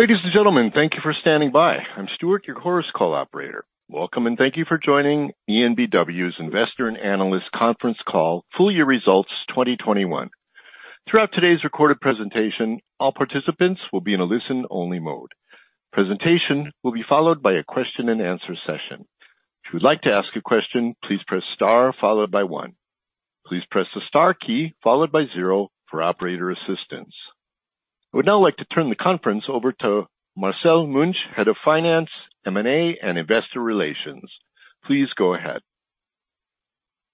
Ladies and gentlemen, thank you for standing by. I'm Stuart, your Chorus Call operator. Welcome, and thank you for joining EnBW's Investor and Analyst Conference Call, Full Year Results 2021. Throughout today's recorded presentation, all participants will be in a listen-only mode. Presentation will be followed by a question-and-answer session. If you would like to ask a question, please press star followed by one. Please press the star key followed by zero for operator assistance. I would now like to turn the conference over to Marcel Münch, Head of Finance, M&A, and Investor Relations. Please go ahead.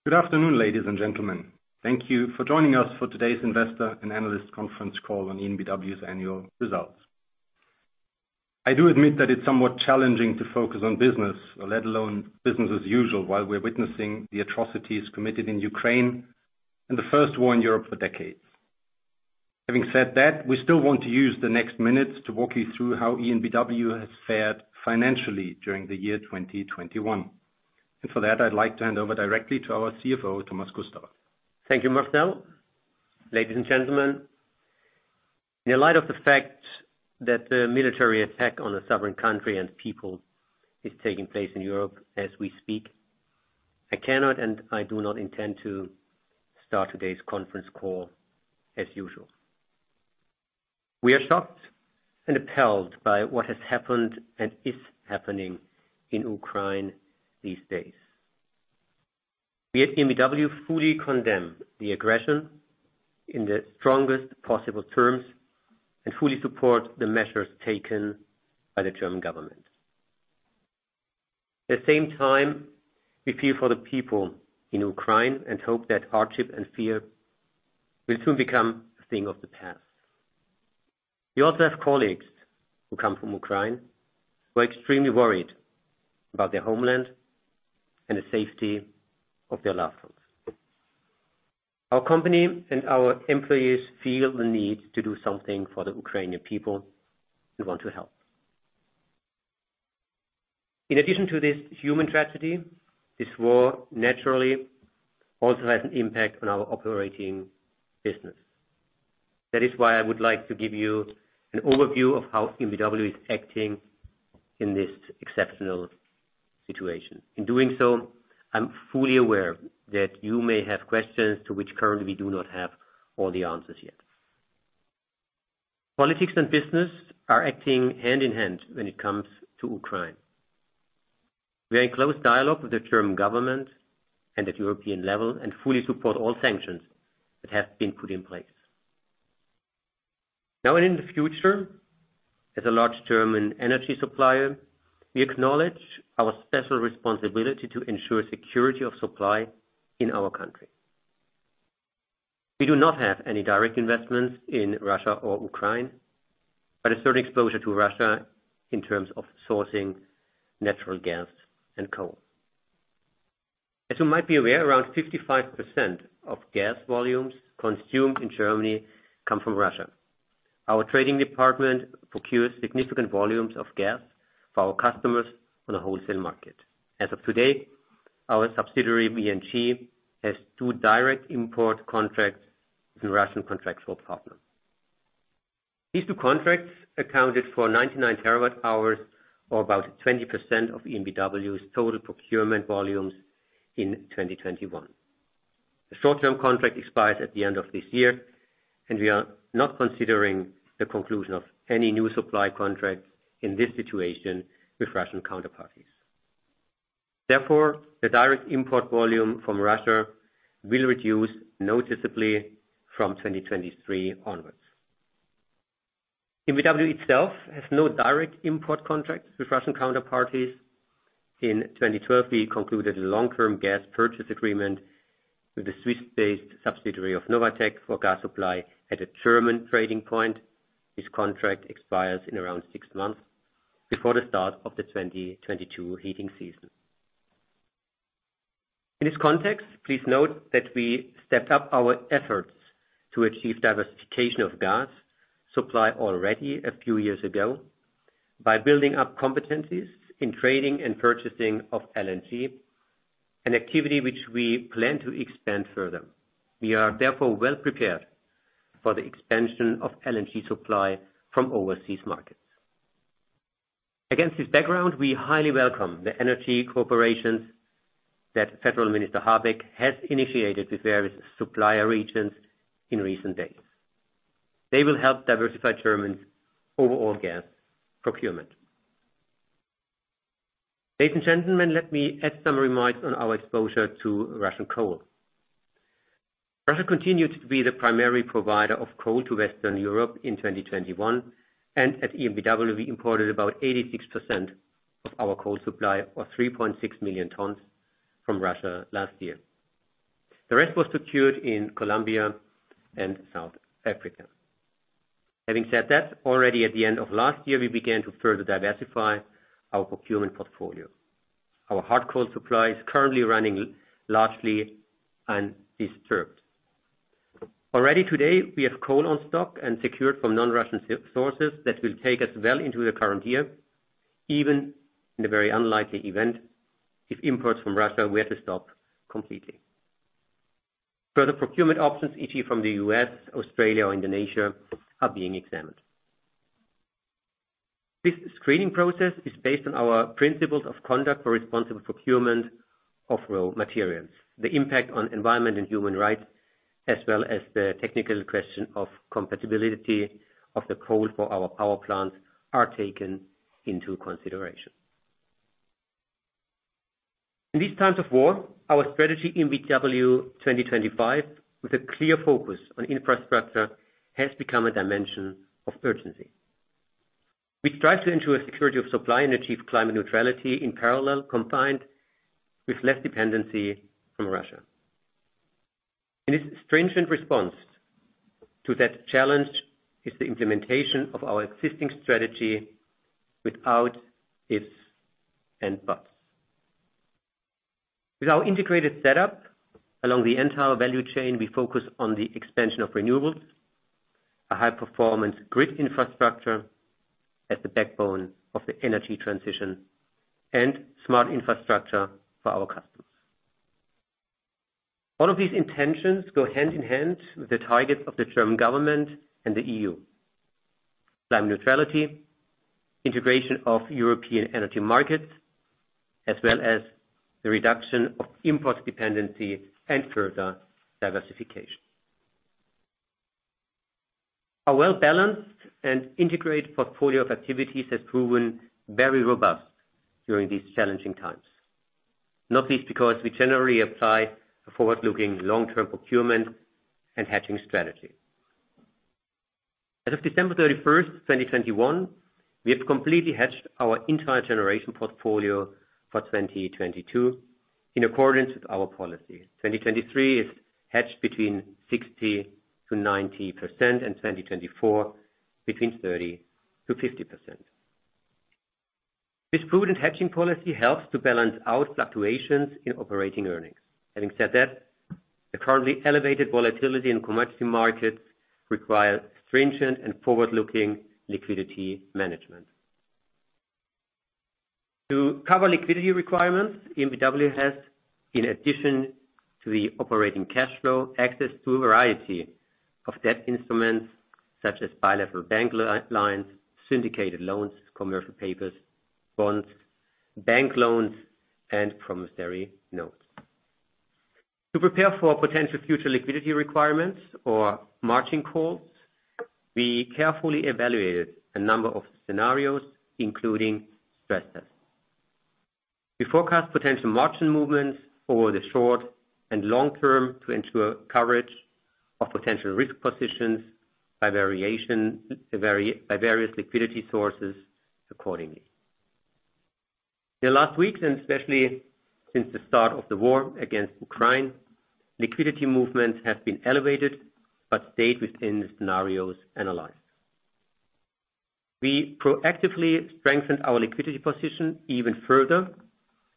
Good afternoon, ladies and gentlemen. Thank you for joining us for today's investor and analyst conference call on EnBW's annual results. I do admit that it's somewhat challenging to focus on business, let alone business as usual, while we're witnessing the atrocities committed in Ukraine and the first war in Europe for decades. Having said that, we still want to use the next minutes to walk you through how EnBW has fared financially during the year 2021. For that, I'd like to hand over directly to our CFO, Thomas Kusterer. Thank you, Marcel. Ladies and gentlemen, in light of the fact that the military attack on a sovereign country and people is taking place in Europe as we speak, I cannot and I do not intend to start today's conference call as usual. We are shocked and upset by what has happened and is happening in Ukraine these days. We at EnBW fully condemn the aggression in the strongest possible terms and fully support the measures taken by the German government. At the same time, we feel for the people in Ukraine and hope that hardship and fear will soon become a thing of the past. We also have colleagues who come from Ukraine. We're extremely worried about their homeland and the safety of their loved ones. Our company and our employees feel the need to do something for the Ukrainian people who want to help. In addition to this human tragedy, this war naturally also has an impact on our operating business. That is why I would like to give you an overview of how EnBW is acting in this exceptional situation. In doing so, I'm fully aware that you may have questions to which currently we do not have all the answers yet. Politics and business are acting hand in hand when it comes to Ukraine. We are in close dialogue with the German government and at European level, and fully support all sanctions that have been put in place. Now and in the future, as a large German energy supplier, we acknowledge our special responsibility to ensure security of supply in our country. We do not have any direct investments in Russia or Ukraine, but a certain exposure to Russia in terms of sourcing natural gas and coal. As you might be aware, around 55% of gas volumes consumed in Germany come from Russia. Our trading department procures significant volumes of gas for our customers on a wholesale market. As of today, our subsidiary, VNG, has two direct import contracts with Russian contractual partners. These two contracts accounted for 99 TWh or about 20% of EnBW's total procurement volumes in 2021. The short-term contract expires at the end of this year, and we are not considering the conclusion of any new supply contract in this situation with Russian counterparties. Therefore, the direct import volume from Russia will reduce noticeably from 2023 onwards. EnBW itself has no direct import contracts with Russian counterparties. In 2020, we concluded a long-term gas purchase agreement with a Swiss-based subsidiary of Novatek for gas supply at a German trading point. This contract expires in around six months before the start of the 2022 heating season. In this context, please note that we stepped up our efforts to achieve diversification of gas supply already a few years ago by building up competencies in trading and purchasing of LNG, an activity which we plan to expand further. We are therefore well prepared for the expansion of LNG supply from overseas markets. Against this background, we highly welcome the energy cooperations that Federal Minister Habeck has initiated with various supplier regions in recent days. They will help diversify Germany's overall gas procurement. Ladies and gentlemen, let me add some remarks on our exposure to Russian coal. Russia continued to be the primary provider of coal to Western Europe in 2021, and at EnBW, we imported about 86% of our coal supply or 3.6 million tons from Russia last year. The rest was secured in Colombia and South Africa. Having said that, already at the end of last year, we began to further diversify our procurement portfolio. Our hard coal supply is currently running largely undisturbed. Already today, we have coal on stock and secured from non-Russian sources that will take us well into the current year, even in the very unlikely event if imports from Russia were to stop completely. Further procurement options issued from the U.S., Australia, or Indonesia are being examined. This screening process is based on our principles of conduct for responsible procurement of raw materials. The impact on environment and human rights, as well as the technical question of compatibility of the coal for our power plants are taken into consideration. In these times of war, our strategy in EnBW 2025, with a clear focus on infrastructure, has become a dimension of urgency, which strives to ensure security of supply and achieve climate neutrality in parallel, combined with less dependency from Russia. In its stringent response to that challenge is the implementation of our existing strategy without ifs and buts. With our integrated setup along the entire value chain, we focus on the expansion of renewables, a high performance grid infrastructure as the backbone of the energy transition, and smart infrastructure for our customers. All of these intentions go hand in hand with the targets of the German government and the EU. Climate neutrality, integration of European energy markets, as well as the reduction of import dependency and further diversification. A well-balanced and integrated portfolio of activities has proven very robust during these challenging times, not least because we generally apply a forward-looking long-term procurement and hedging strategy. As of December 31st, 2021, we have completely hedged our entire generation portfolio for 2022 in accordance with our policy. 2023 is hedged between 60%-90%, and 2024 between 30%-50%. This prudent hedging policy helps to balance out fluctuations in operating earnings. Having said that, the currently elevated volatility in commodity markets requires stringent and forward-looking liquidity management. To cover liquidity requirements, EnBW has, in addition to the operating cash flow, access to a variety of debt instruments such as bilateral bank lines, syndicated loans, commercial paper, bonds, bank loans, and promissory notes. To prepare for potential future liquidity requirements or margin calls, we carefully evaluated a number of scenarios, including stress tests. We forecast potential margin movements over the short and long term to ensure coverage of potential risk positions by various liquidity sources accordingly. In the last weeks, and especially since the start of the war against Ukraine, liquidity movements have been elevated, but stayed within the scenarios analyzed. We proactively strengthened our liquidity position even further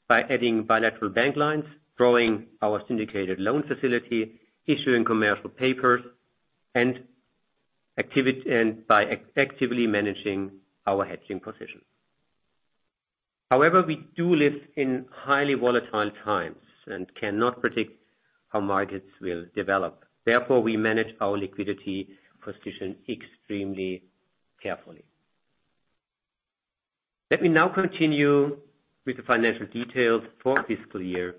by adding bilateral bank lines, drawing our syndicated loan facility, issuing commercial papers, and by actively managing our hedging position. However, we do live in highly volatile times and cannot predict how markets will develop. Therefore, we manage our liquidity position extremely carefully. Let me now continue with the financial details for fiscal year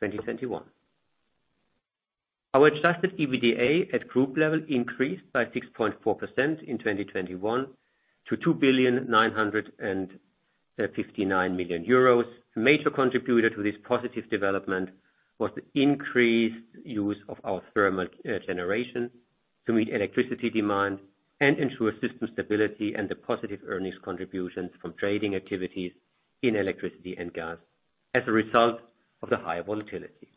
2021. Our adjusted EBITDA at group level increased by 6.4% in 2021 to 2,959 million euros. A major contributor to this positive development was the increased use of our thermal generation to meet electricity demand and ensure system stability and the positive earnings contributions from trading activities in electricity and gas as a result of the higher volatility.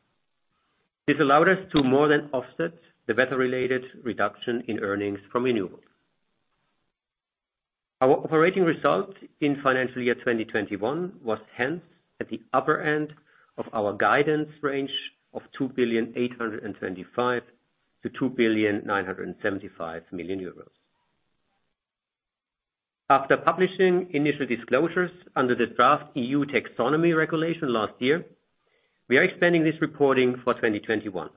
This allowed us to more than offset the weather-related reduction in earnings from renewables. Our operating result in financial year 2021 was hence at the upper end of our guidance range of 2,825 million-2,975 million euros. After publishing initial disclosures under the draft EU Taxonomy Regulation last year, we are expanding this reporting for 2021.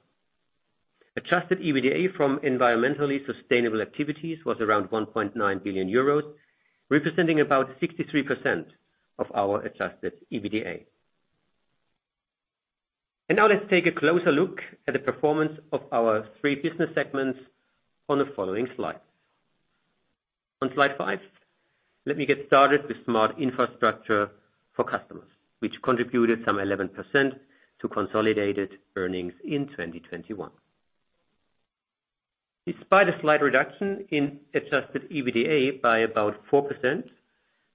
Adjusted EBITDA from environmentally sustainable activities was around 1.9 billion euros, representing about 63% of our adjusted EBITDA. Now let's take a closer look at the performance of our three business segments on the following slides. On slide five, let me get started with Smart Infrastructure for Customers, which contributed some 11% to consolidated earnings in 2021. Despite a slight reduction in adjusted EBITDA by about 4%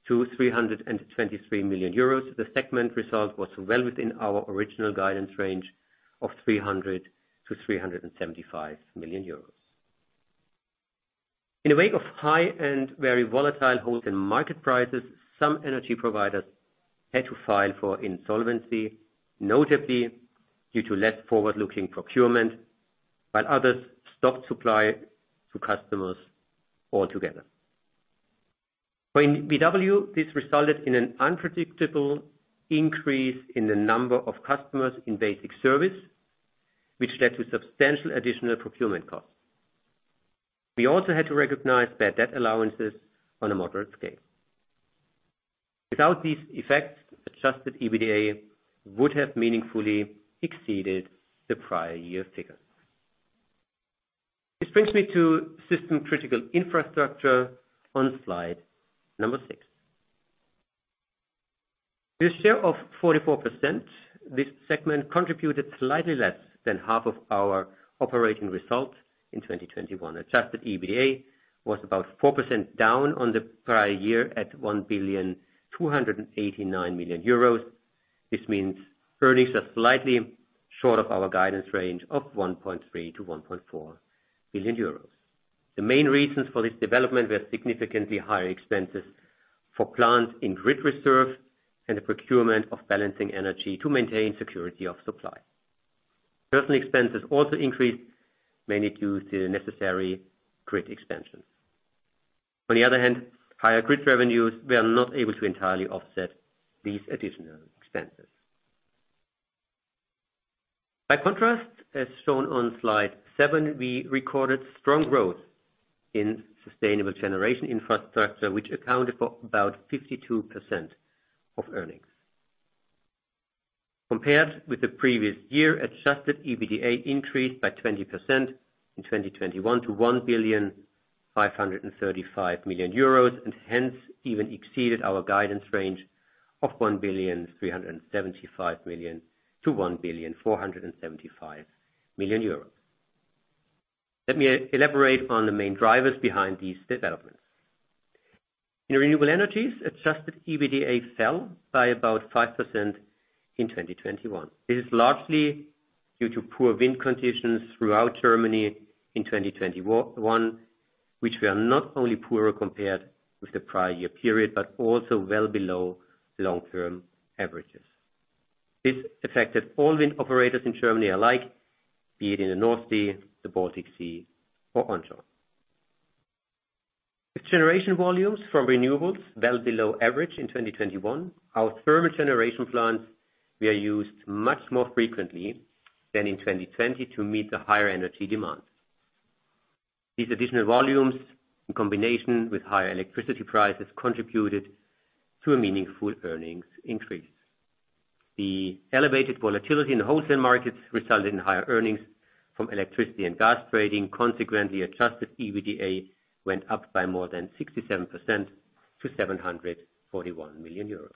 to 323 million euros, the segment result was well within our original guidance range of 300 million-375 million euros. In the wake of high and very volatile wholesale market prices, some energy providers had to file for insolvency, notably due to less forward-looking procurement, while others stopped supply to customers altogether. For EnBW, this resulted in an unpredictable increase in the number of customers in basic service, which led to substantial additional procurement costs. We also had to recognize bad debt allowances on a moderate scale. Without these effects, adjusted EBITDA would have meaningfully exceeded the prior year's figures. This brings me to System-Critical Infrastructure on slide six. With a share of 44%, this segment contributed slightly less than half of our operating results in 2021. Adjusted EBITDA was about 4% down on the prior year at 1,289 million euros. This means earnings are slightly short of our guidance range of 1.3 billion-1.4 billion euros. The main reasons for this development were significantly higher expenses for plants in grid reserve and the procurement of balancing energy to maintain security of supply. Personal expenses also increased, mainly due to the necessary grid expansion. On the other hand, higher grid revenues were not able to entirely offset these additional expenses. By contrast, as shown on slide seven, we recorded strong growth in Sustainable Generation Infrastructure, which accounted for about 52% of earnings. Compared with the previous year, adjusted EBITDA increased by 20% in 2021 to 1.535 billion, and hence even exceeded our guidance range of 1.375 billion-1.475 billion. Let me elaborate on the main drivers behind these developments. In renewable energies, adjusted EBITDA fell by about 5% in 2021. This is largely due to poor wind conditions throughout Germany in 2021, which were not only poorer compared with the prior year period, but also well below the long-term averages. This affected all wind operators in Germany alike, be it in the North Sea, the Baltic Sea, or onshore. With generation volumes from renewables well below average in 2021, our thermal generation plants were used much more frequently than in 2020 to meet the higher energy demands. These additional volumes, in combination with higher electricity prices, contributed to a meaningful earnings increase. The elevated volatility in the wholesale markets resulted in higher earnings from electricity and gas trading. Consequently, adjusted EBITDA went up by more than 67% to 741 million euros.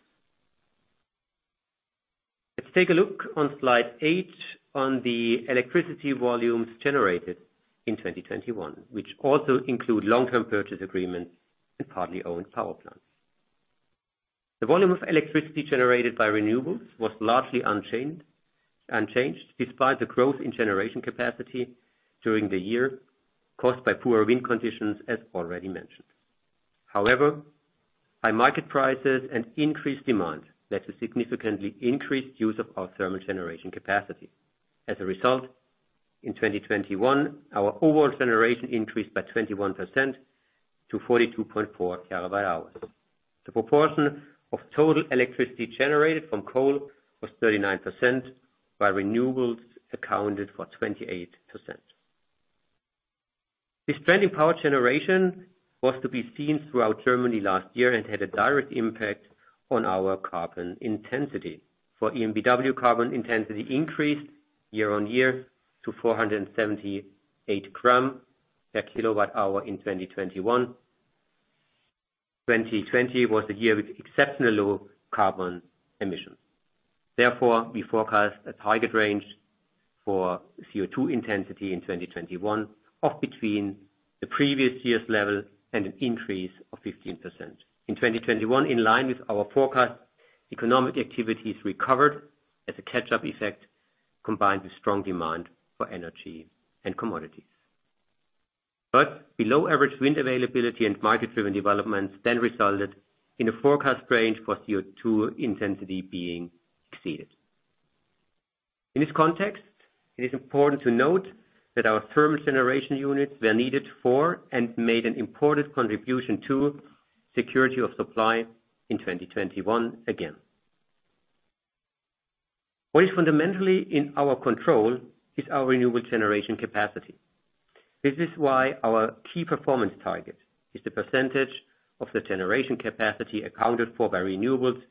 Let's take a look on slide eight on the electricity volumes generated in 2021, which also include long-term purchase agreements and partly owned power plants. The volume of electricity generated by renewables was largely unchanged despite the growth in generation capacity during the year caused by poor wind conditions, as already mentioned. However, high market prices and increased demand led to significantly increased use of our thermal generation capacity. As a result, in 2021, our overall generation increased by 21% to 42.4 TWh. The proportion of total electricity generated from coal was 39%, while renewables accounted for 28%. This trending power generation was to be seen throughout Germany last year and had a direct impact on our carbon intensity. For EnBW, carbon intensity increased year on year to 478 g/kWh in 2021. 2020 was a year with exceptionally low carbon emissions. Therefore, we forecast a target range for CO2 intensity in 2021 of between the previous year's level and an increase of 15%. In 2021, in line with our forecast, economic activities recovered as a catch-up effect, combined with strong demand for energy and commodities. Below average wind availability and market-driven developments then resulted in a forecast range for CO2 intensity being exceeded. In this context, it is important to note that our thermal generation units were needed for, and made an important contribution to, security of supply in 2021 again. What is fundamentally in our control is our renewable generation capacity. This is why our key performance target is the percentage of the generation capacity accounted for by renewables,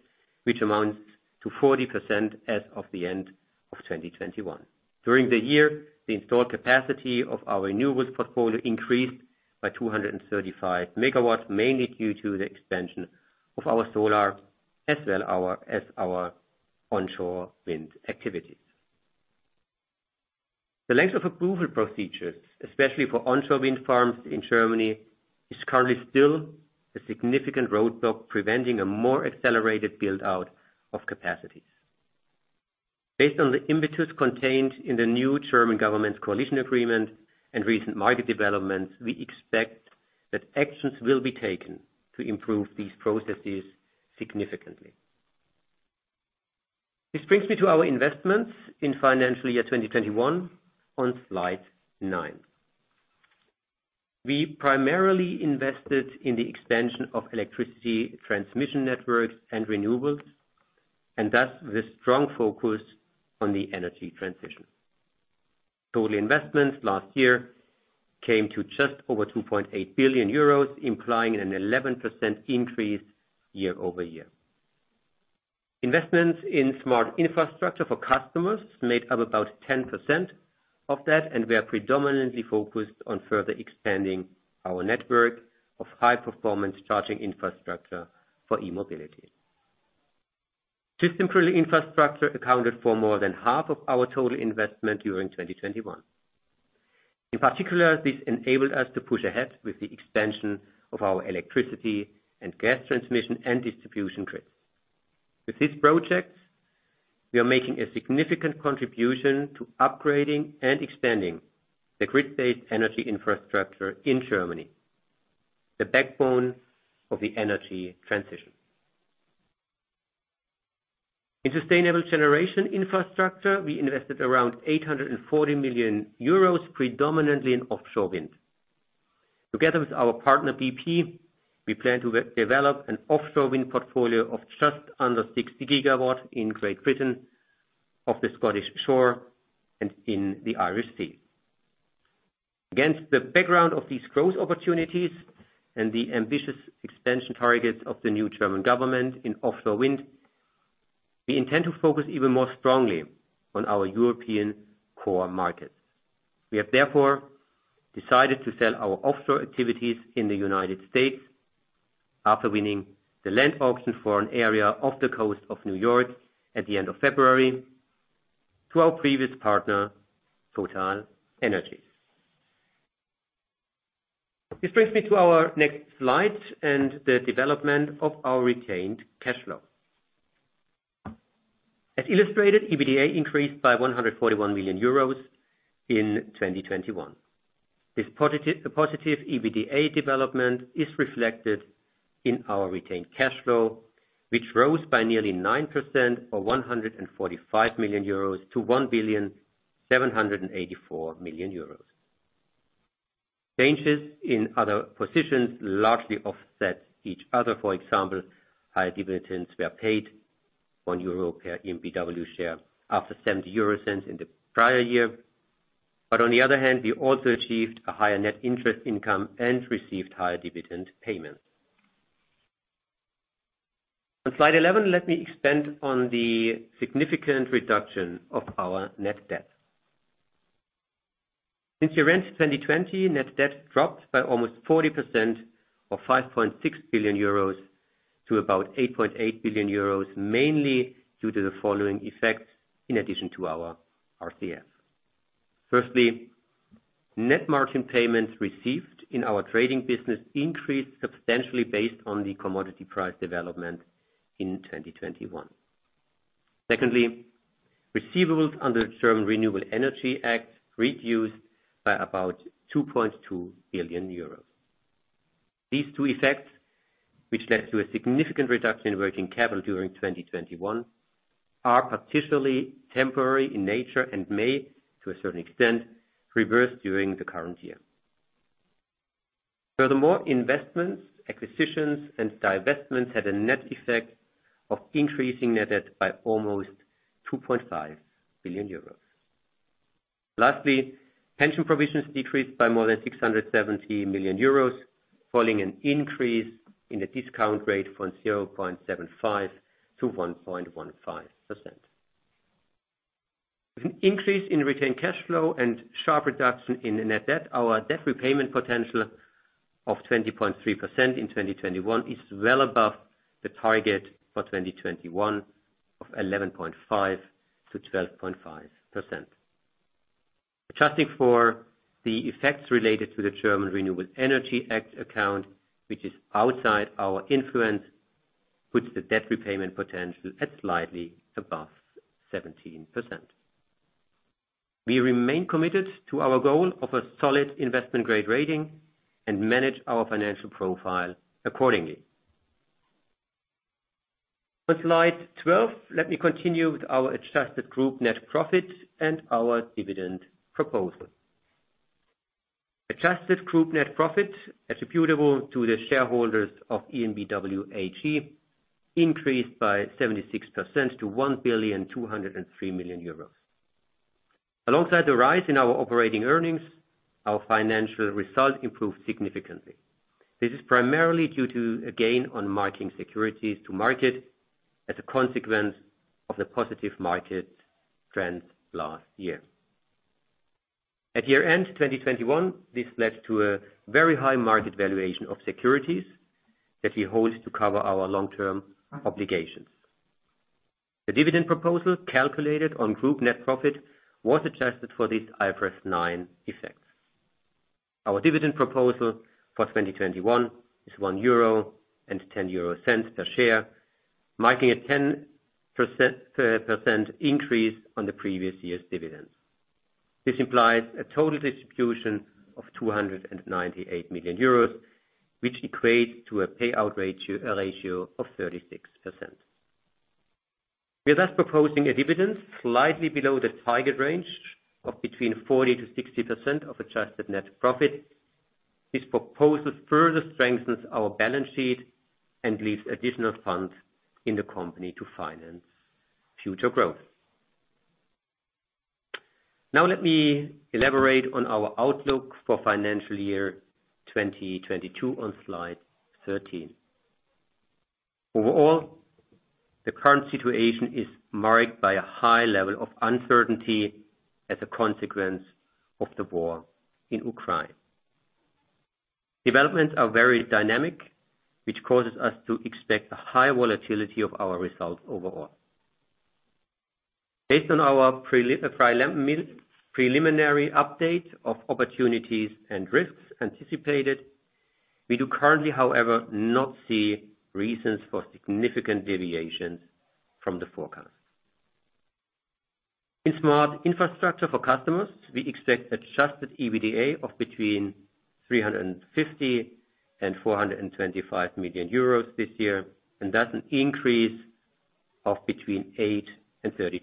which amounts to 40% as of the end of 2021. During the year, the installed capacity of our renewables portfolio increased by 235 MW, mainly due to the expansion of our solar as well as our onshore wind activities. The length of approval procedures, especially for onshore wind farms in Germany, is currently still a significant roadblock preventing a more accelerated build-out of capacities. Based on the impetus contained in the new German government's coalition agreement and recent market developments, we expect that actions will be taken to improve these processes significantly. This brings me to our investments in financial year 2021 on slide nine. We primarily invested in the extension of electricity transmission networks and renewables, and thus the strong focus on the energy transition. Total investments last year came to just over 2.8 billion euros, implying an 11% increase year-over-year. Investments in Smart Infrastructure for Customers made up about 10% of that, and we are predominantly focused on further expanding our network of high performance charging infrastructure for e-mobility. System-Critical Infrastructure accounted for more than half of our total investment during 2021. In particular, this enabled us to push ahead with the extension of our electricity and gas transmission and distribution grids. With these projects, we are making a significant contribution to upgrading and expanding the grid-based energy infrastructure in Germany, the backbone of the energy transition. In Sustainable Generation Infrastructure, we invested around 840 million euros, predominantly in offshore wind. Together with our partner, bp, we plan to develop an offshore wind portfolio of just under 60 GW in Great Britain, off the Scottish shore, and in the Irish Sea. Against the background of these growth opportunities and the ambitious extension targets of the new German government in offshore wind, we intend to focus even more strongly on our European core markets. We have therefore decided to sell our offshore activities in the United States after winning the land auction for an area off the coast of New York at the end of February to our previous partner, TotalEnergies. This brings me to our next slide and the development of our retained cash flow. As illustrated, EBITDA increased by 141 million euros in 2021. This positive EBITDA development is reflected in our retained cash flow, which rose by nearly 9% or 145 million euros to 1,784 million euros. Changes in other positions largely offset each other. For example, higher dividends were paid 1 euro per EnBW share after 0.70 in the prior year. On the other hand, we also achieved a higher net interest income and received higher dividend payments. On slide 11, let me expand on the significant reduction of our net debt. Since year-end 2020, net debt dropped by almost 40% from 14.6 billion euros to about 8.8 billion euros, mainly due to the following effects in addition to our RCF. Firstly, net margin payments received in our trading business increased substantially based on the commodity price development in 2021. Secondly, receivables under the Renewable Energy Sources Act reduced by about 2.2 billion euros. These two effects, which led to a significant reduction in working capital during 2021, are partially temporary in nature and may, to a certain extent, reverse during the current year. Furthermore, investments, acquisitions, and divestments had a net effect of increasing net debt by almost 2.5 billion euros. Lastly, pension provisions decreased by more than 670 million euros, following an increase in the discount rate from 0.75% to 1.15%. With an increase in retained cash flow and sharp reduction in net debt, our debt repayment potential of 20.3% in 2021 is well above the target for 2021 of 11.5%-12.5%. Adjusting for the effects related to the Renewable Energy Sources Act account, which is outside our influence, puts the debt repayment potential at slightly above 17%. We remain committed to our goal of a solid investment-grade rating and manage our financial profile accordingly. On slide 12, let me continue with our adjusted group net profit and our dividend proposal. Adjusted group net profit attributable to the shareholders of EnBW AG increased by 76% to 1,203 million euros. Alongside the rise in our operating earnings, our financial result improved significantly. This is primarily due to a gain on marking securities to market as a consequence of the positive market trends last year. At year-end 2021, this led to a very high market valuation of securities that we hold to cover our long-term obligations. The dividend proposal calculated on group net profit was adjusted for these IFRS 9 effects. Our dividend proposal for 2021 is 1.10 euro per share, marking a 10% increase on the previous year's dividends. This implies a total distribution of 298 million euros, which equates to a payout ratio of 36%. We are thus proposing a dividend slightly below the target range of between 40%-60% of adjusted net profit. This proposal further strengthens our balance sheet and leaves additional funds in the company to finance future growth. Now let me elaborate on our outlook for financial year 2022 on slide 13. Overall, the current situation is marked by a high level of uncertainty as a consequence of the war in Ukraine. Developments are very dynamic, which causes us to expect a high volatility of our results overall. Based on our preliminary update of opportunities and risks anticipated, we do currently, however, not see reasons for significant deviations from the forecast. In Smart Infrastructure for Customers, we expect adjusted EBITDA of between 350 million and 425 million euros this year, and that's an increase of between 8% and 32%.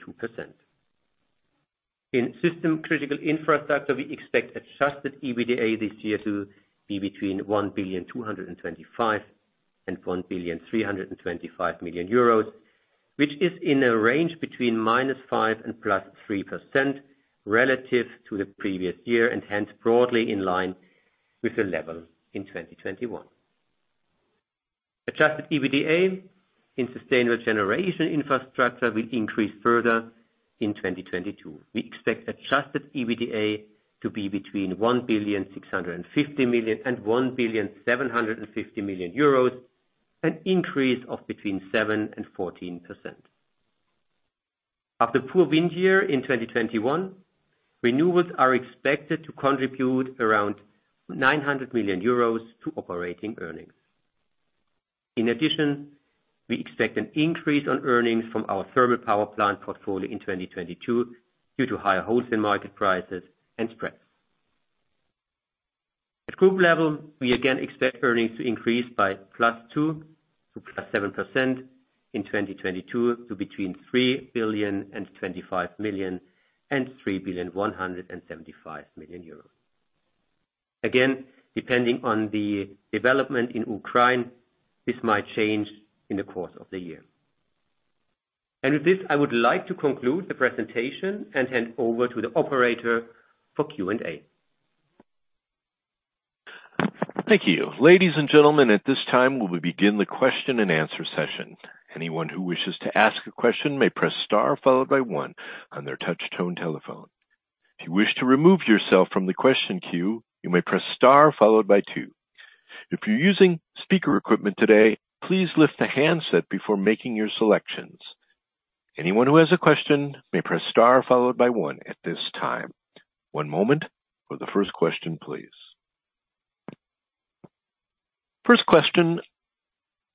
In System-Critical Infrastructure, we expect adjusted EBITDA this year to be between 1,225 million euros and EUR 1,325 million, which is in a range between -5% and +3% relative to the previous year, and hence broadly in line with the level in 2021. Adjusted EBITDA in Sustainable Generation Infrastructure will increase further in 2022. We expect adjusted EBITDA to be between 1.65 billion and 1.75 billion, an increase of 7%-14%. After poor wind year in 2021, renewables are expected to contribute around 900 million euros to operating earnings. In addition, we expect an increase on earnings from our thermal power plant portfolio in 2022 due to higher wholesale market prices and spreads. At group level, we again expect earnings to increase by +2% to +7% in 2022 to between 3.025 billion and 3.175 billion. Again, depending on the development in Ukraine, this might change in the course of the year. With this, I would like to conclude the presentation and hand over to the operator for Q&A. Thank you. Ladies and gentlemen, at this time, we will begin the question and answer session. Anyone who wishes to ask a question may press star followed by one on their touch tone telephone. If you wish to remove yourself from the question queue, you may press star followed by two. If you're using speaker equipment today, please lift the handset before making your selections. Anyone who has a question may press star followed by one at this time. One moment for the first question, please. First question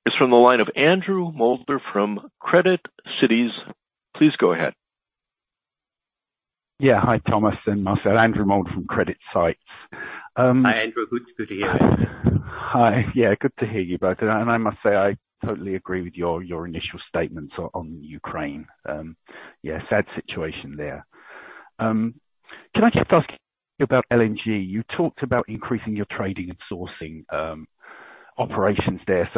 is from the line of Andrew Moulder from CreditSights. Please go ahead. Yeah. Hi, Thomas and Marcel. Andrew Moulder from CreditSights. Hi, Andrew. Good to hear you. Hi. Yeah, good to hear you both. I must say, I totally agree with your initial statements on Ukraine. Yeah, sad situation there. Can I just ask about LNG? You talked about increasing your trading and sourcing operations there,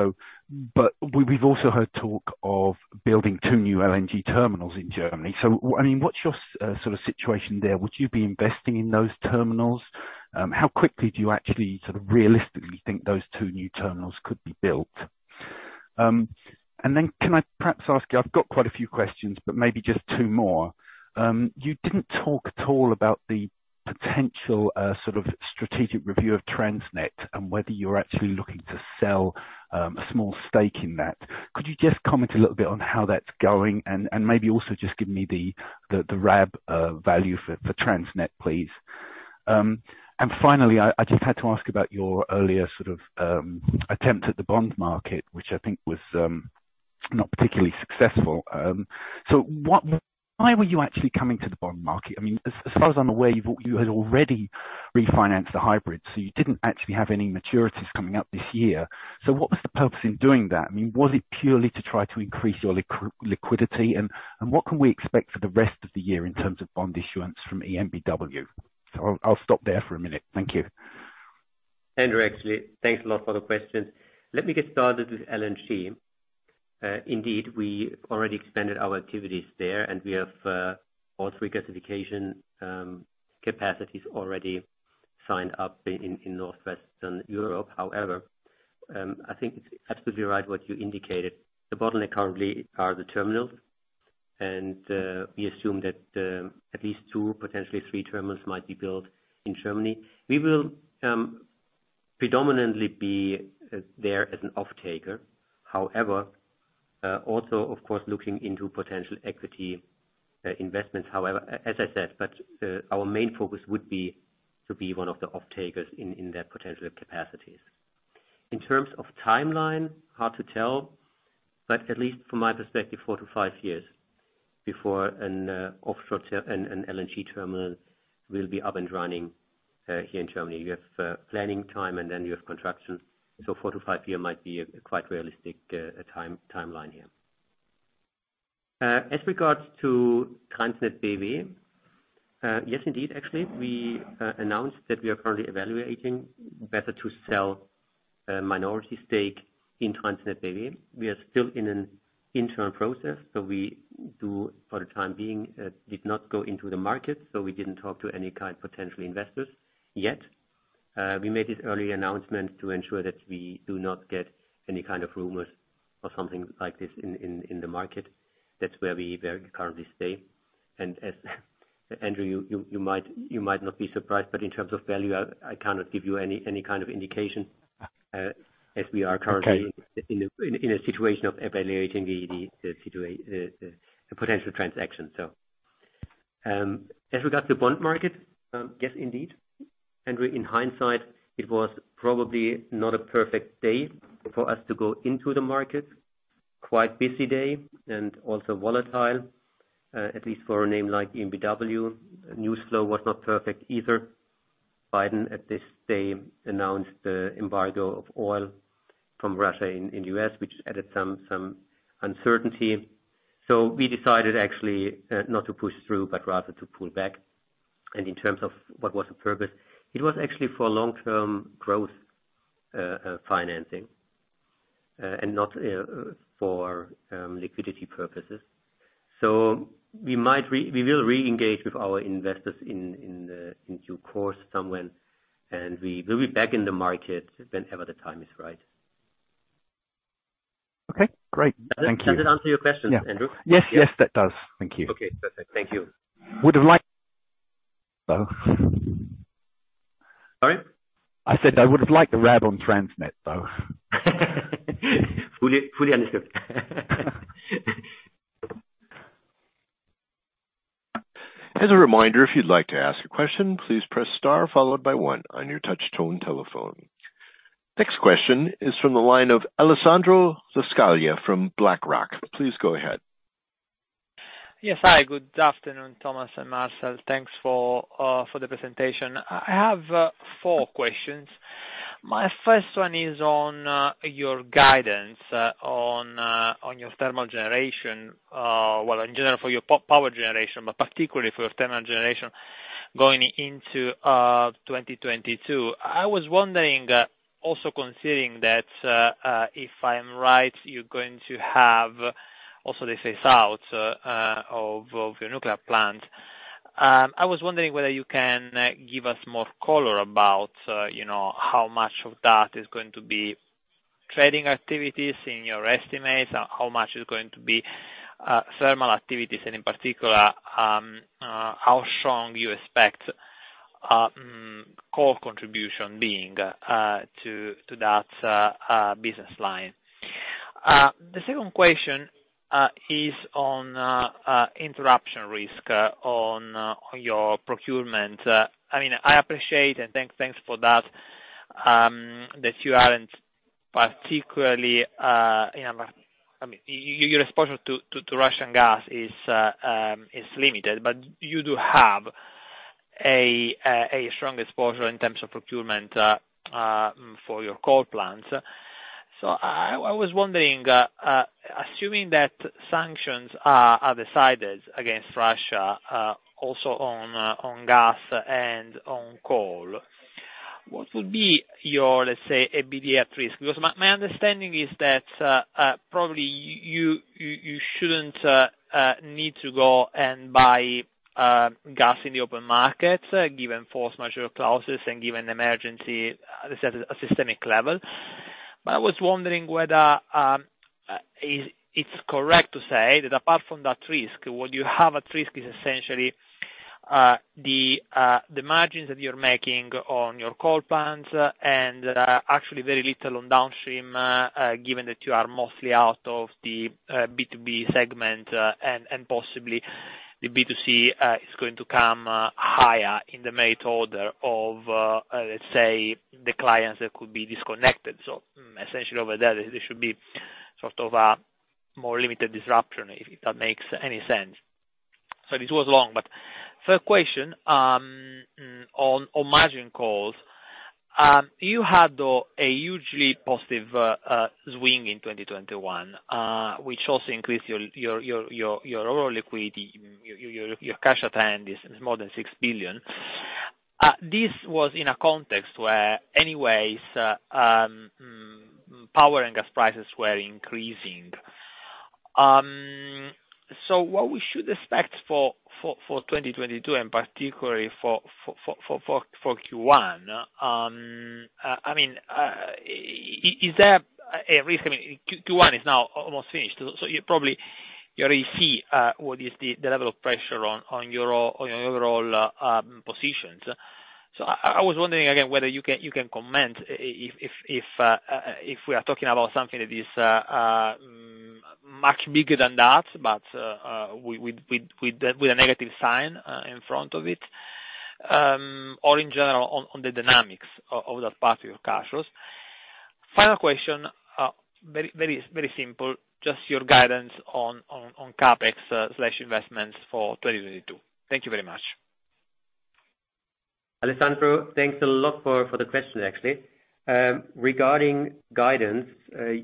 but we've also heard talk of building two new LNG terminals in Germany. I mean, what's your sort of situation there? Would you be investing in those terminals? How quickly do you actually sort of realistically think those two new terminals could be built? Then can I perhaps ask you, I've got quite a few questions, but maybe just two more. You didn't talk at all about the potential sort of strategic review of Transnet and whether you're actually looking to sell a small stake in that. Could you just comment a little bit on how that's going and maybe also just give me the RAB value for Transnet, please. And finally, I just had to ask about your earlier sort of attempt at the bond market, which I think was not particularly successful. So why were you actually coming to the bond market? I mean, as far as I'm aware, you had already refinanced the hybrid, so you didn't actually have any maturities coming up this year. So what was the purpose in doing that? I mean, was it purely to try to increase your liquidity? And what can we expect for the rest of the year in terms of bond issuance from EnBW? So I'll stop there for a minute. Thank you. Andrew, actually, thanks a lot for the question. Let me get started with LNG. Indeed, we already expanded our activities there, and we have all three regasification capacities already signed up in Northwestern Europe. However, I think it's absolutely right what you indicated. The bottleneck currently are the terminals. We assume that at least two, potentially three terminals might be built in Germany. We will predominantly be there as an offtaker. However, also, of course, looking into potential equity investments. However, as I said, our main focus would be to be one of the offtakers in their potential capacities. In terms of timeline, hard to tell, but at least from my perspective, four to five years before an LNG terminal will be up and running here in Germany. You have planning time, and then you have construction. Four to five year might be quite realistic timeline here. As regards to TransnetBW, yes, indeed, actually, we announced that we are currently evaluating whether to sell a minority stake in TransnetBW. We are still in an internal process, so for the time being we did not go into the market, so we didn't talk to any kind of potential investors yet. We made this early announcement to ensure that we do not get any kind of rumors or something like this in the market. That's where we currently stay. As Andrew, you might not be surprised, but in terms of value, I cannot give you any kind of indication, as we are currently. Okay. In a situation of evaluating the potential transaction. As regards to bond market, yes, indeed, Andrew, in hindsight, it was probably not a perfect day for us to go into the market. Quite busy day and also volatile, at least for a name like EnBW. News flow was not perfect either. Biden, at this day, announced the embargo of oil from Russia in U.S., which added some uncertainty. We decided actually not to push through, but rather to pull back. In terms of what was the purpose, it was actually for long-term growth financing, and not for liquidity purposes. We will re-engage with our investors in due course somewhere, and we will be back in the market whenever the time is right. Okay, great. Thank you. Does that answer your question, Andrew? Yes, that does. Thank you. Okay, perfect. Thank you. Would have liked, though. Sorry? I said, I would have liked a read on Transnet, though. Fully understood. As a reminder, if you'd like to ask a question, please press star followed by one on your touch tone telephone. Next question is from the line of Alessandro Scaglia from BlackRock. Please go ahead. Yes. Hi, good afternoon, Thomas and Marcel. Thanks for the presentation. I have four questions. My first one is on your guidance on your thermal generation, well, in general for your power generation, but particularly for your thermal generation going into 2022. I was wondering, also considering that, if I'm right, you're going to have also the phase out of your nuclear plant. I was wondering whether you can give us more color about, you know, how much of that is going to be trading activities in your estimates, how much is going to be thermal activities, and in particular, how strong you expect core contribution being to that business line. The second question is on interruption risk on your procurement. I mean, I appreciate and thanks for that you aren't particularly in a I mean, your exposure to Russian gas is limited, but you do have a strong exposure in terms of procurement for your coal plants. I was wondering, assuming that sanctions are decided against Russia, also on gas and on coal, what would be your, let's say, EBITDA at risk? Because my understanding is that probably you shouldn't need to go and buy gas in the open markets, given force majeure clauses and given emergency, let's say, a systemic level. I was wondering whether it's correct to say that apart from that risk, what you have at risk is essentially the margins that you're making on your coal plants and actually very little on downstream, given that you are mostly out of the B2B segment and possibly the B2C is going to come higher in the merit order of, let's say, the clients that could be disconnected. Essentially over there should be sort of a more limited disruption, if that makes any sense. This was long, but third question on margin calls. You had a hugely positive swing in 2021, which also increased your overall liquidity. Your cash at hand is more than 6 billion. This was in a context where anyways, power and gas prices were increasing. What we should expect for 2022 and particularly for Q1, I mean, is there a risk? I mean, Q1 is now almost finished, so you probably already see what is the level of pressure on your overall positions. I was wondering again whether you can comment if we are talking about something that is much bigger than that, but with a negative sign in front of it. Or in general on the dynamics of that part of your cash flows. Final question, very simple. Just your guidance on CapEx slash investments for 2022. Thank you very much. Alessandro, thanks a lot for the question actually. Regarding guidance,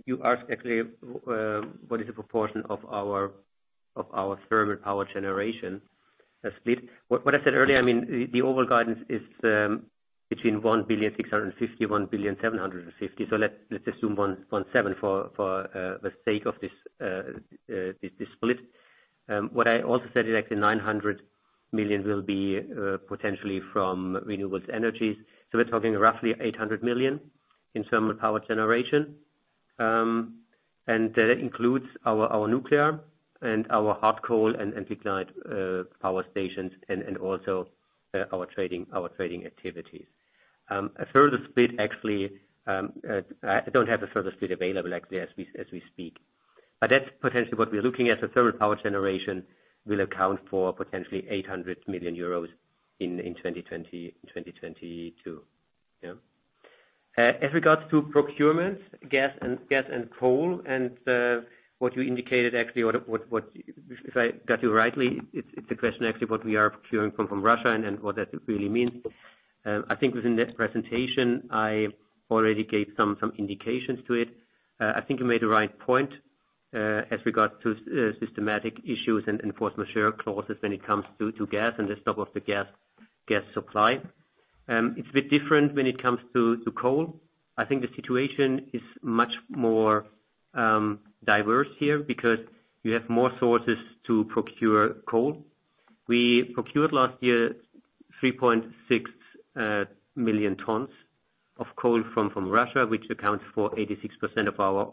you asked actually, what is the proportion of our thermal power generation split. What I said earlier, I mean, the overall guidance is between 1.65 billion and 1.75 billion. Let's assume 1.7 billion for the sake of this split. What I also said is actually 900 million will be potentially from renewable energies. We're talking roughly 800 million in thermal power generation. That includes our nuclear and our hard coal and declined power stations and also our trading activities. A further split, actually, I don't have a further split available actually as we speak. That's potentially what we're looking at. The thermal power generation will account for potentially 800 million euros in 2022. Yeah. As regards to procurement, gas and coal and what you indicated actually what, if I got you rightly, it's the question actually what we are procuring from Russia and then what that really means. I think within this presentation I already gave some indications to it. I think you made the right point, as regards to systematic issues and force majeure clauses when it comes to gas and the stock of the gas supply. It's a bit different when it comes to coal. I think the situation is much more diverse here because you have more sources to procure coal. We procured last year 3.6 million tons of coal from Russia, which accounts for 86% of our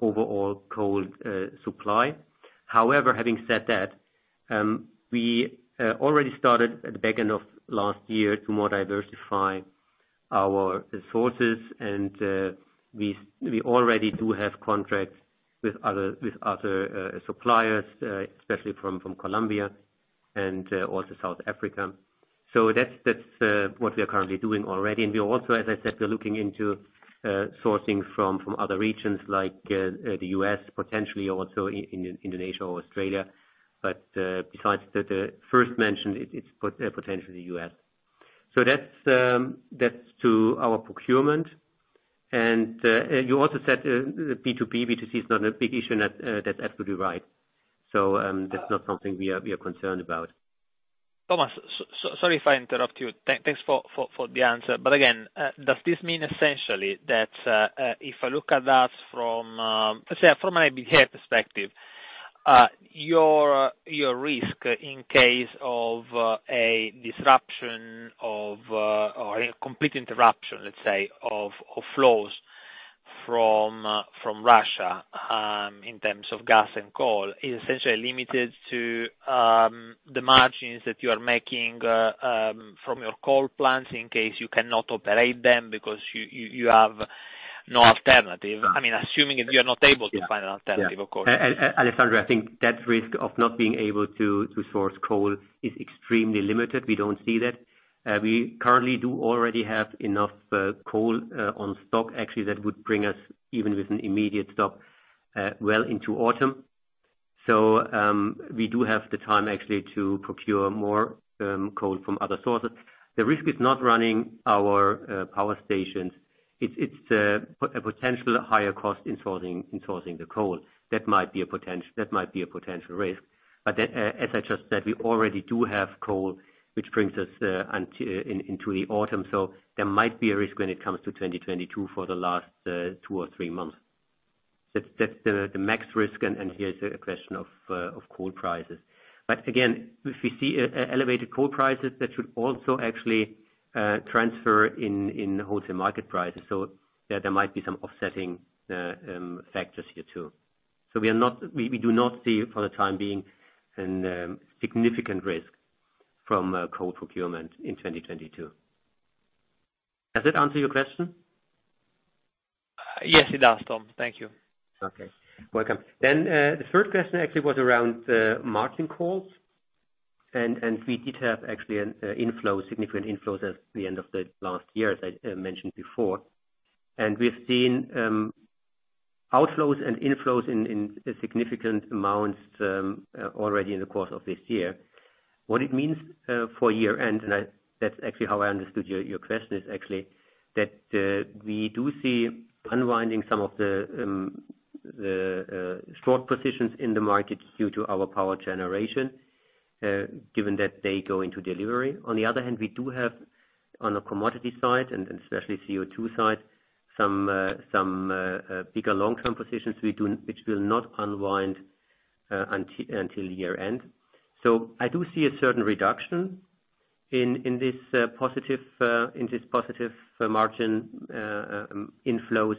overall coal supply. However, having said that, we already started at the back end of last year to more diversify our sources and we already have contracts with other suppliers, especially from Colombia and also South Africa. That's what we are currently doing already. We are also, as I said, looking into sourcing from other regions like the U.S. potentially also Indonesia or Australia. Besides the first mention it's potentially U.S. That's to our procurement. You also said B2B, B2C is not a big issue, and that's absolutely right. That's not something we are concerned about. Thomas, sorry if I interrupt you. Thanks for the answer. Again, does this mean essentially that if I look at that from, let's say, from an EBITDA perspective, your risk in case of a disruption of or a complete interruption, let's say, of flows from Russia in terms of gas and coal is essentially limited to the margins that you are making from your coal plants in case you cannot operate them because you have no alternative? I mean, assuming that you are not able to find an alternative, of course. Alessandro, I think that risk of not being able to source coal is extremely limited. We don't see that. We currently do already have enough coal in stock actually that would bring us, even with an immediate stop, well into autumn. We do have the time actually to procure more coal from other sources. The risk is not running our power stations. It's a potential higher cost in sourcing the coal. That might be a potential risk. As I just said, we already do have coal, which brings us into the autumn. There might be a risk when it comes to 2022 for the last two or three months. That's the max risk, and here it's a question of coal prices. But again, if we see elevated coal prices, that should also actually transfer in wholesale market prices. There might be some offsetting factors here too. We do not see for the time being a significant risk from coal procurement in 2022. Does that answer your question? Yes, it does, Tom. Thank you. Okay. Welcome. The third question actually was around margin calls. We did have actually inflows, significant inflows at the end of the last year, as I mentioned before. We've seen outflows and inflows in significant amounts already in the course of this year. What it means for year-end. That's actually how I understood your question, is actually that we do see unwinding some of the short positions in the market due to our power generation given that they go into delivery. On the other hand, we do have on the commodity side, and especially CO2 side, some bigger long-term positions we do, which will not unwind until year-end. I do see a certain reduction in this positive margin inflows,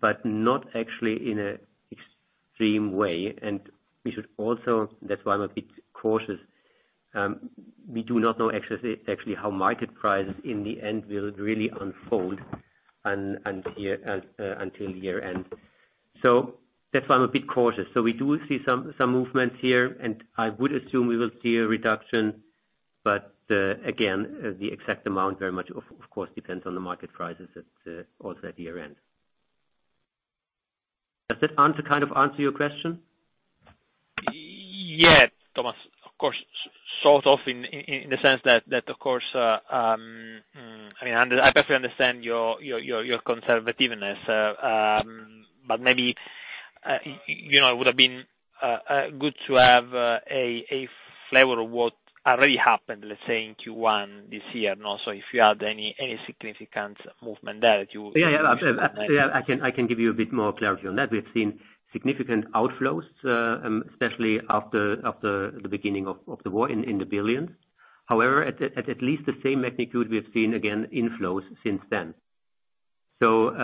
but not actually in an extreme way. We should also, that's why I'm a bit cautious. We do not know actually how market prices in the end will really unfold and until year-end. That's why I'm a bit cautious. We do see some movements here, and I would assume we will see a reduction, but again, the exact amount very much, of course, depends on the market prices also at year-end. Does that kind of answer your question? Yes, Thomas, of course. Sort of in the sense that of course, I mean, I perfectly understand your conservativeness. Maybe you know, it would have been good to have a flavor of what already happened, let's say in Q1 this year, and also if you had any significant movement there that you- Yeah, yeah. I can give you a bit more clarity on that. We've seen significant outflows, especially after the beginning of the war, in the billions. However, at least the same magnitude we have seen again inflows since then. The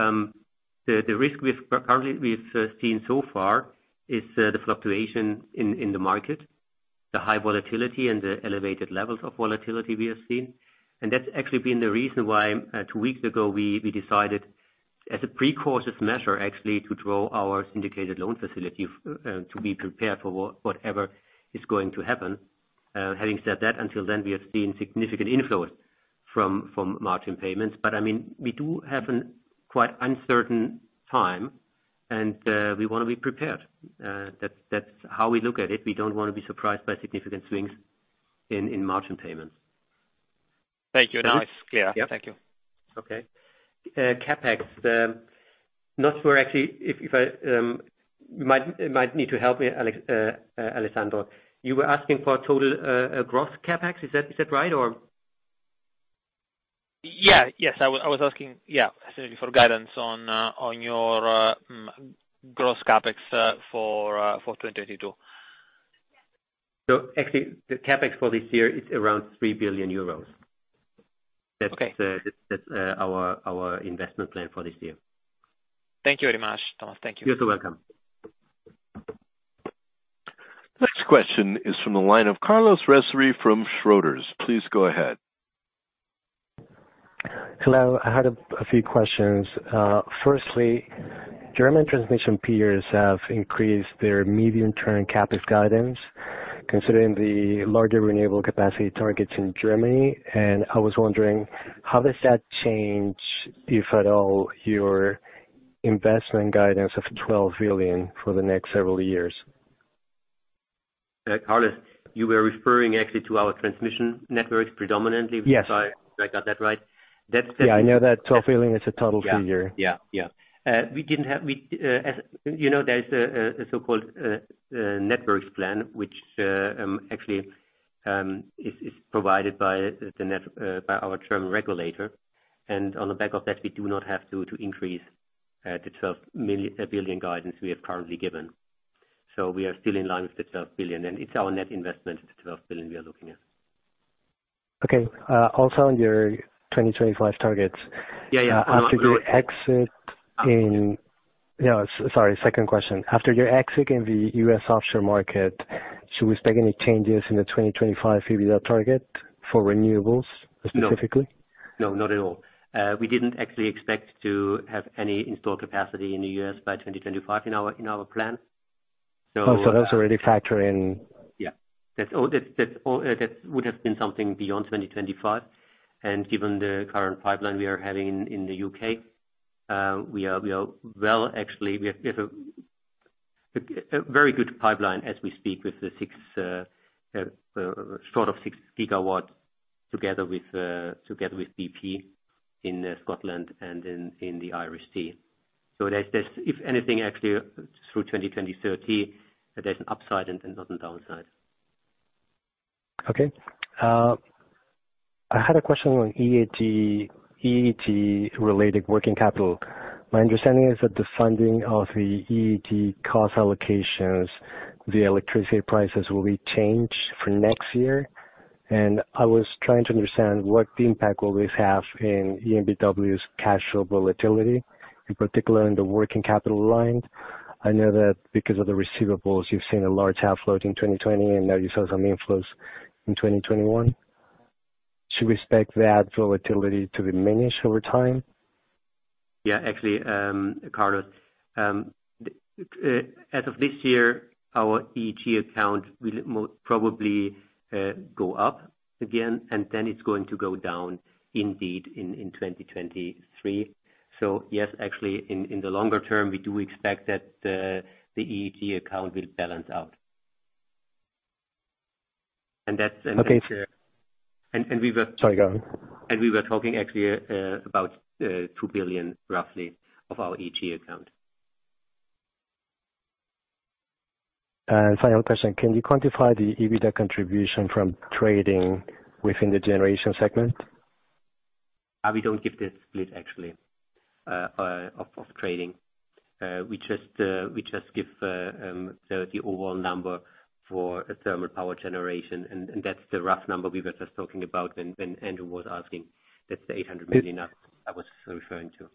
risk we've seen so far is the fluctuation in the market, the high volatility and the elevated levels of volatility we have seen. That's actually been the reason why, two weeks ago we decided as a precautionary measure actually to draw our syndicated loan facility to be prepared for whatever is going to happen. Having said that, until then we have seen significant inflows from margin payments. I mean, we do have a quite uncertain time and we wanna be prepared. That's how we look at it. We don't wanna be surprised by significant swings in margin payments. Thank you. Now it's clear. Yeah. Thank you. Okay. CapEx, not sure actually if you might need to help me, Alessandro. You were asking for total, gross CapEx. Is that right? Or Yeah. Yes, I was asking, yeah, essentially for guidance on your gross CapEx for 2022. Actually, the CapEx for this year is around 3 billion euros. Okay. That's our investment plan for this year. Thank you very much, Thomas. Thank you. You're so welcome. Next question is from the line of Carlos Razuri from Schroders. Please go ahead. Hello. I had a few questions. Firstly, German transmission peers have increased their medium-term CapEx guidance considering the larger renewable capacity targets in Germany. I was wondering, how does that change, if at all, your investment guidance of 12 billion for the next several years? Carlos, you were referring actually to our transmission networks predominantly. Yes. If I got that right. Yeah, I know that 12 billion is a total figure. Yeah, as you know, there is a so-called Networks Plan, which actually is provided by our German regulator. On the back of that, we do not have to increase the 12 billion guidance we have currently given. We are still in line with the 12 billion, and it's our net investment, the 12 billion we are looking at. Okay. Also on your 2025 targets. Yeah, yeah. After your exit in the U.S. offshore market, should we expect any changes in the 2025 EBITDA target for renewables specifically? No. No, not at all. We didn't actually expect to have any installed capacity in the U.S. by 2025 in our plan. Oh, that's already factored in. Yeah. That's all that would have been something beyond 2025. Given the current pipeline we are having in the U.K., actually we have a very good pipeline as we speak with just short of 6 GW together with bp in Scotland and in the Irish Sea. If anything actually through 2030, there's an upside and not a downside. Okay. I had a question on EEG related working capital. My understanding is that the funding of the EEG cost allocations, the electricity prices will be changed for next year. I was trying to understand what impact will this have in EnBW's cash flow volatility, in particular in the working capital line. I know that because of the receivables, you've seen a large outflow in 2020, and now you saw some inflows in 2021. Should we expect that volatility to diminish over time? Actually, Carlos, as of this year, our EEG account will probably go up again, and then it's going to go down indeed in 2023. Yes, actually in the longer term, we do expect that the EEG account will balance out. And that's. Okay. And, and we were- Sorry, go on. We were talking actually about 2 billion roughly of our EEG account. Final question, can you quantify the EBITDA contribution from trading within the generation segment? We don't give the split actually of trading. We just give the overall number for a thermal power generation, and that's the rough number we were just talking about when Andrew was asking. That's the 800 million I was referring to.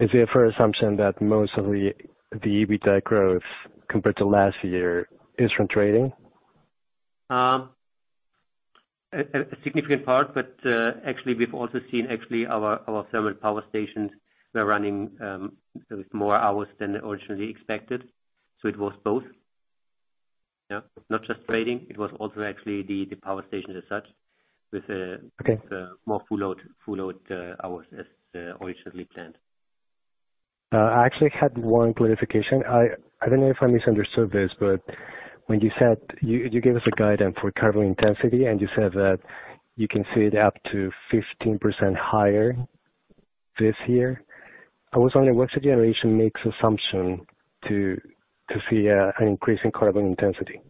Is it a fair assumption that most of the EBITDA growth compared to last year is from trading? A significant part, but actually, we've also seen actually our thermal power stations were running with more hours than originally expected. It was both. Yeah. Not just trading, it was also actually the power station as such with Okay. with more full load hours as originally planned. I actually had one clarification. I don't know if I misunderstood this, but when you said you gave us guidance for carbon intensity, and you said that you can see it up to 15% higher this year. I was wondering, what's the generation mix assumption to see an increase in carbon intensity?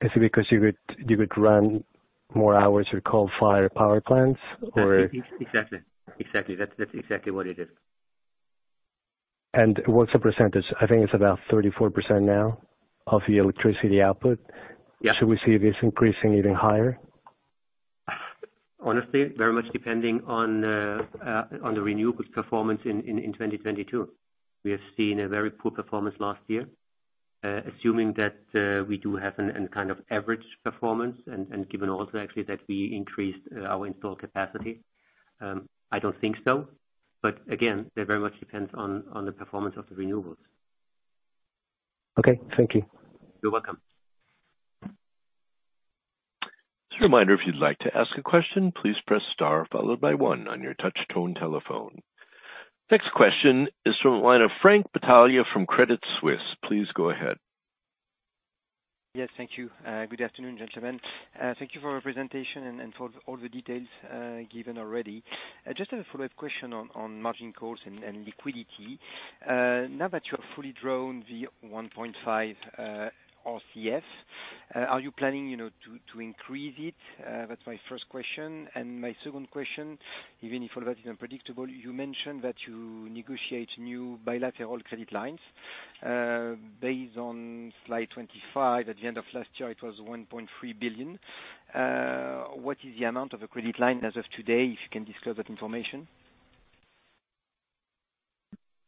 Is it because you would run more hours with coal-fired power plants or Exactly. That's exactly what it is. What's the percentage? I think it's about 34% now of the electricity output. Yeah. Should we see this increasing even higher? Honestly, very much depending on the renewables performance in 2022. We have seen a very poor performance last year. Assuming that we do have a kind of average performance and given also actually that we increased our installed capacity, I don't think so. Again, that very much depends on the performance of the renewables. Okay, thank you. You're welcome. Just a reminder, if you'd like to ask a question, please press star followed by one on your touch tone telephone. Next question is from the line of Frank Bataille from Credit Suisse. Please go ahead. Yes, thank you. Good afternoon, gentlemen. Thank you for your presentation and for all the details given already. I just have a follow-up question on margin calls and liquidity. Now that you have fully drawn the 1.5 billion RCF, are you planning, you know, to increase it? That's my first question. My second question, even if all that is unpredictable, you mentioned that you negotiate new bilateral credit lines. Based on slide 25, at the end of last year, it was 1.3 billion. What is the amount of the credit line as of today, if you can disclose that information?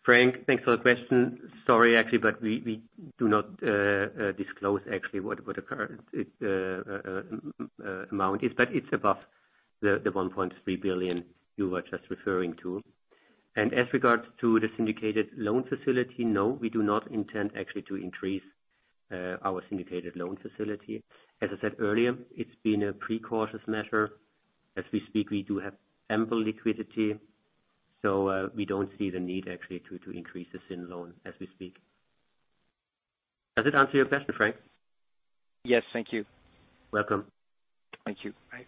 Frank, thanks for the question. Sorry, actually, but we do not disclose actually what the current amount is, but it's above the 1.3 billion you were just referring to. As regards to the syndicated loan facility, no, we do not intend actually to increase our syndicated loan facility. As I said earlier, it's been a precautionary measure. As we speak, we do have ample liquidity. We don't see the need actually to increase the syn loan as we speak. Does it answer your question, Frank? Yes. Thank you. Welcome. Thank you. Bye.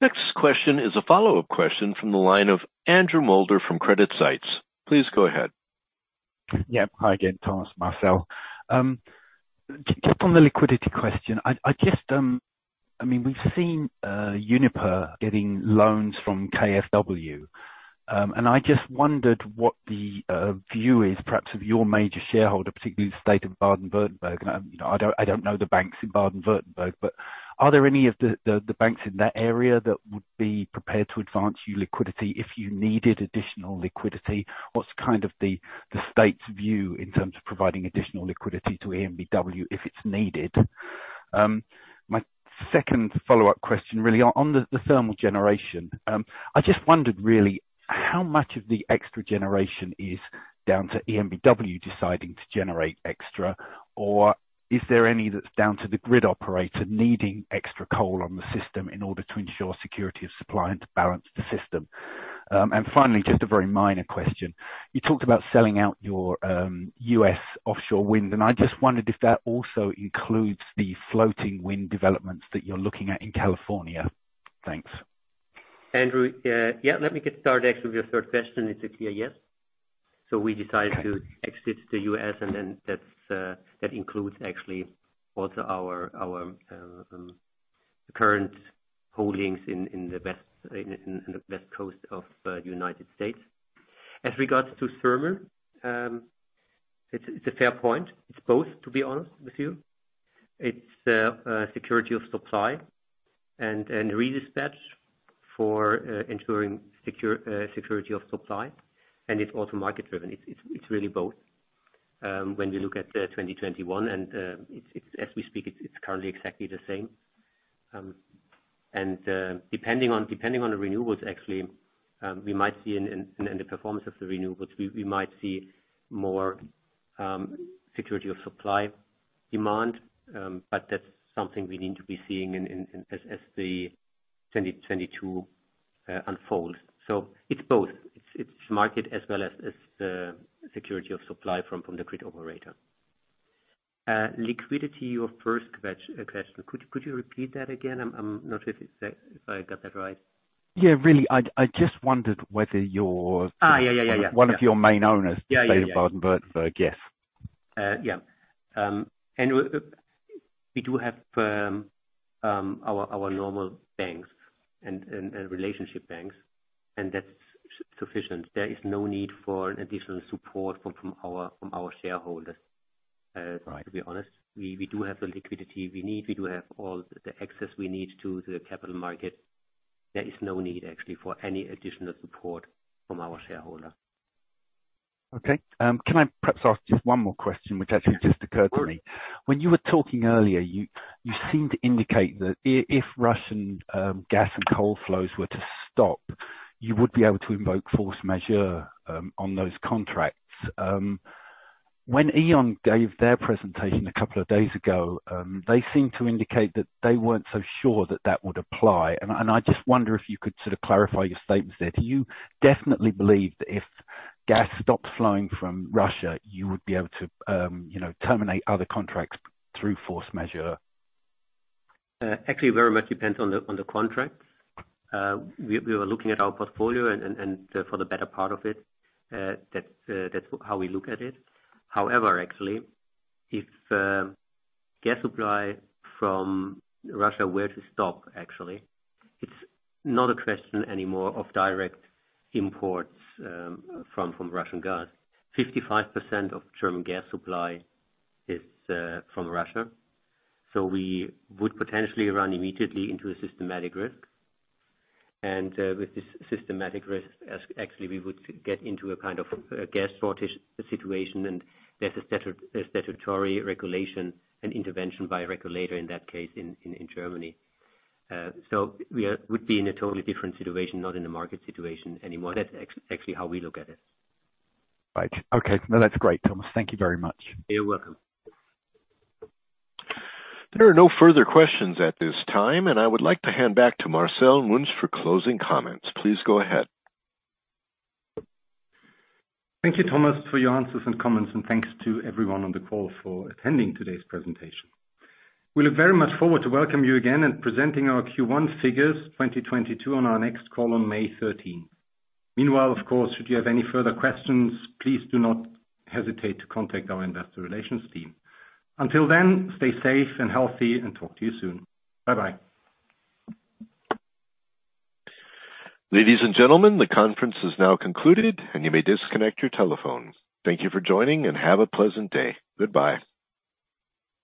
Next question is a follow-up question from the line of Andrew Moulder from CreditSights. Please go ahead. Hi again, Thomas, Marcel. Just on the liquidity question. I just I mean, we've seen Uniper getting loans from KfW, and I just wondered what the view is perhaps of your major shareholder, particularly the state of Baden-Württemberg. You know, I don't know the banks in Baden-Württemberg, but are there any of the banks in that area that would be prepared to advance you liquidity if you needed additional liquidity? What's kind of the state's view in terms of providing additional liquidity to EnBW if it's needed? My second follow-up question really on the thermal generation. I just wondered really how much of the extra generation is down to EnBW deciding to generate extra, or is there any that's down to the grid operator needing extra coal on the system in order to ensure security of supply and to balance the system? Finally, just a very minor question. You talked about selling out your U.S. offshore wind, and I just wondered if that also includes the floating wind developments that you're looking at in California. Thanks. Andrew. Let me get started actually with your third question. It's a clear yes. We decided to exit the U.S., and then that includes actually also our current holdings in the West Coast of United States. As regards to thermal, it's a fair point. It's both, to be honest with you. It's security of supply and redispatch for ensuring security of supply, and it's also market driven. It's really both, when we look at 2021 and as we speak, it's currently exactly the same. Depending on the renewables actually, we might see in the performance of the renewables more security of supply demand, but that's something we need to be seeing in as 2022 unfolds. It's both. It's market as well as the security of supply from the grid operator. Liquidity, your first question. Could you repeat that again? I'm not sure if I got that right. Yeah. Really, I just wondered whether your- Yeah. One of your main owners. Yeah, yeah. The state of Baden-Württemberg. Yes. Yeah. We do have our normal banks and relationship banks, and that's sufficient. There is no need for additional support from our shareholders. To be honest, we do have the liquidity we need. We do have all the access we need to the capital market. There is no need actually for any additional support from our shareholder. Okay. Can I perhaps ask just one more question, which actually just occurred to me? Of course. When you were talking earlier, you seemed to indicate that if Russian gas and coal flows were to stop, you would be able to invoke force majeure on those contracts. When E.ON gave their presentation a couple of days ago, they seemed to indicate that they weren't so sure that that would apply. I just wonder if you could sort of clarify your statements there. Do you definitely believe that if gas stops flowing from Russia, you would be able to you know, terminate other contracts through force majeure? Actually very much depends on the contract. We were looking at our portfolio and for the better part of it, that's how we look at it. However, actually, if gas supply from Russia were to stop actually, it's not a question anymore of direct imports from Russian gas. 55% of German gas supply is from Russia. We would potentially run immediately into a systemic risk. With this systemic risk, actually we would get into a kind of a gas shortage situation, and there's a statutory regulation and intervention by a regulator in that case in Germany. We would be in a totally different situation, not in a market situation anymore. That's actually how we look at it. Right. Okay. No, that's great, Thomas. Thank you very much. You're welcome. There are no further questions at this time, and I would like to hand back to Marcel Münch for closing comments. Please go ahead. Thank you, Thomas, for your answers and comments, and thanks to everyone on the call for attending today's presentation. We look very much forward to welcome you again and presenting our Q1 figures 2022 on our next call on May 30. Meanwhile, of course, should you have any further questions, please do not hesitate to contact our investor relations team. Until then, stay safe and healthy, and talk to you soon. Bye-bye. Ladies and gentlemen, the conference is now concluded and you may disconnect your telephone. Thank you for joining and have a pleasant day. Goodbye.